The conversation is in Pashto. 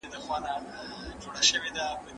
واده ته په کومو الفاظو اشاره کیږي؟